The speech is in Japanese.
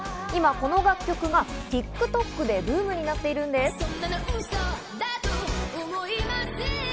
今、この楽曲がＴｉｋＴｏｋでブームになっているんです。